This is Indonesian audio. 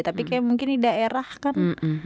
tapi kayak mungkin di daerah kan